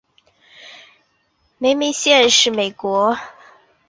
梅森县是美国德克萨斯州中部的一个县。